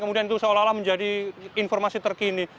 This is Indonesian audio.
kemudian itu seolah olah menjadi informasi terkini